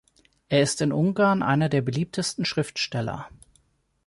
Er ist in Ungarn einer der beliebtesten Schriftsteller.